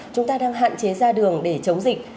chúng ta đang hạn chế ra đường để chống dịch